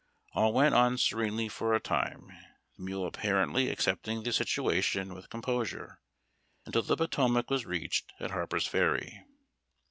All went on serenely for a time, the mule apparently accepting the situation with composure, until the Potomac was reached at Harper's Ferry.